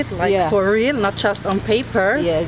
dan melakukannya secara benar bukan hanya di kertas